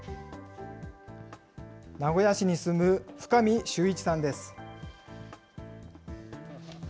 名古屋市に住む深美修一さんです。